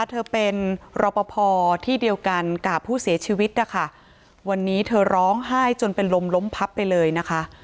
เธอเป็นรอปภที่เดียวกันกับผู้เสียชีวิตนะคะวันนี้เธอร้องไห้จนเป็นลมล้มพับไปเลยนะคะ